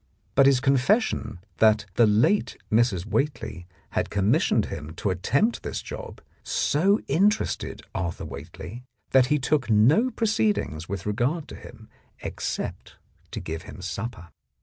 But his confession that the late Mrs. Whately had commissioned him to attempt this job so interested Arthur Whately that he took no pro ceedings with regard to him, except to give him supper.